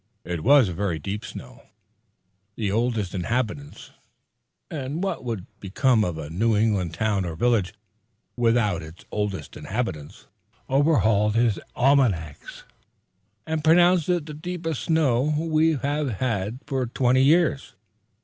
It was a very deep snow. The Oldest Inhabitant (what would become of a New England town or village without its oldest Inhabitant?) overhauled his almanacs, and pronounced it the deepest snow we had had for twenty years.